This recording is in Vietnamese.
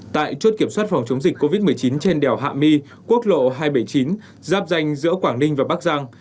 tại chốt kiểm soát phòng chống dịch covid một mươi chín trên đèo hạ my quốc lộ hai trăm bảy mươi chín giáp danh giữa quảng ninh và bắc giang